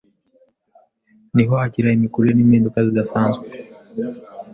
niho agira imikurire n’impinduka zidasanzwe.